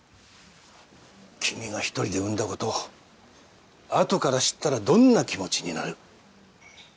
君が一人で産んだことをあとから知ったらどんな気持ちになる？